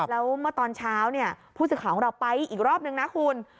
แล้วเมื่อตอนเช้าเนี่ยผู้สื่อข่าวของเราไปอีกรอบนึงนะคุณ